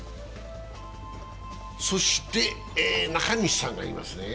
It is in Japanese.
そして、中西さんがいますね。